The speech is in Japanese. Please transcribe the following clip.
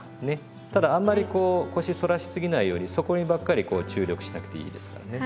ただあんまりこう腰反らしすぎないようにそこにばっかりこう注力しなくていいですからね。